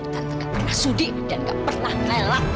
tante gak pernah sudi dan gak pernah relak